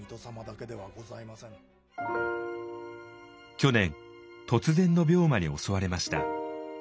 去年突然の病魔に襲われました。